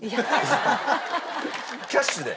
キャッシュで？